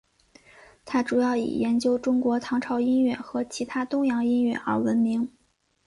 他主要以研究中国唐朝音乐和其他东洋音乐而闻名。